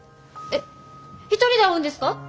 えっ一人で会うんですか？